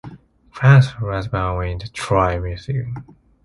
Crancer was born in Detroit, Michigan.